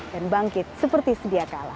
dan bangkit seperti sedia kala